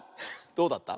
どうだった？